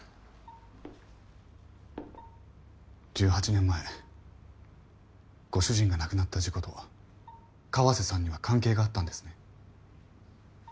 １８年前ご主人が亡くなった事故と川瀬さんには関係があったんですね。